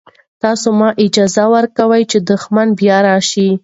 تاسو مه اجازه ورکوئ چې دښمن بیا راشي.